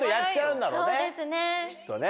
そうですね。